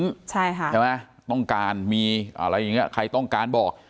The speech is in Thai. ว่าเชิญนะยังไงนะต้องการมีอะไรแบบนี้ใครต้องการบอก